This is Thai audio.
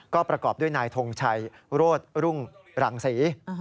ก็ประกอบด้วยนายทงชัยโรธรุ่งรังศรี